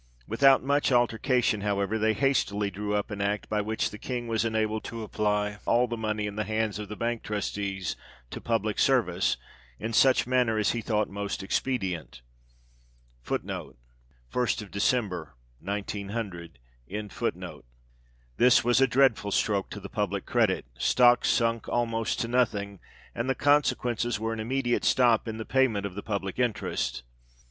With out much altercation, however, they hastily drew up an act, by which the King was enabled to apply all the money in the hands of the Bank Trustees to public service, in such manner as he thought most expedient. 1 This was a dreadful stroke to the public credit ; stocks sunk almost to nothing, and the consequences were an immediate stop in the payment of the public interest.